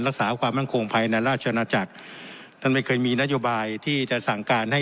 รักษาความมั่นคงภายในราชนาจักรท่านไม่เคยมีนโยบายที่จะสั่งการให้